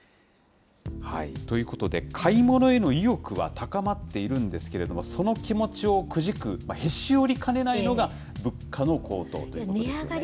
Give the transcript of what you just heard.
ということで、買い物への意欲は高まっているんですけれども、その気持ちをくじく、へし折りかねないのが物価の高騰ということですよね。